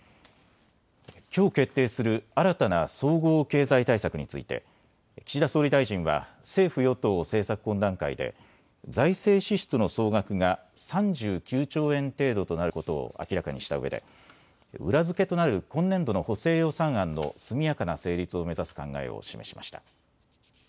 きょう決定する新たな総合経済対策について岸田総理大臣は政府与党政策懇談会で財政支出の総額が３９兆円程度となることを明らかにしたうえで裏付けとなる今年度の補正予算案の速やかな成立を目指す考えを示しました。